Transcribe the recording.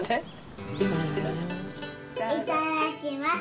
いただきます。